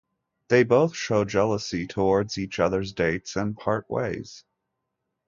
They both show jealousy towards each others' dates and part ways.